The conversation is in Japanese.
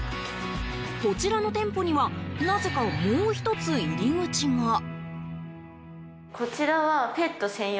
こちらの店舗にはなぜかもう１つ入り口が。